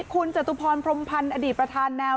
คุณจตุพรพรมพันธ์อดีตประธานแนว